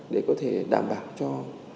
để có thể đảm bảo cho